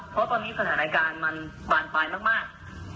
เพราะตอนนี้สถานการณ์มันบานปลายมาก